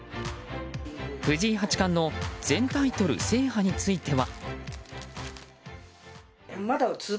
藤井八冠の全タイトル制覇については。